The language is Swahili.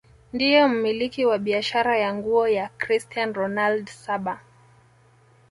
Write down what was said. ndiye mmiliki wa biashara ya nguo ya cristian ronald saba